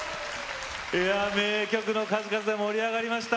名曲の数々で盛り上がりました。